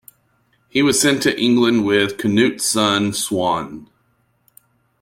He was sent to England with Canute's son Sweyn.